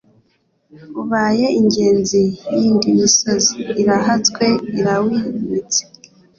Ubaye ingenzi y'indi misozi Irahatswe irawimitse,